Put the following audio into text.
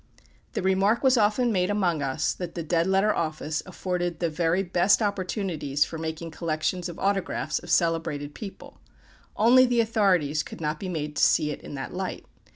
The remark was often made among us that the Dead Letter Office afforded the very best opportunities for making collections of autographs of celebrated people only the authorities could not be made to see it in that light.